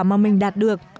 mà mình đã có